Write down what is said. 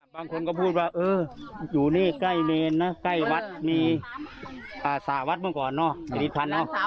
บางคนก็พูดว่าเอออยู่นี่ใกล้เลนนะใกล้วัดมีอ่าสหวัดเมื่อก่อนเนอะ